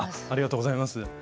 ありがとうございます。